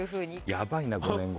ヤバいな５年後。